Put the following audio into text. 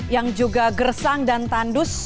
yang juga gersang dan tandus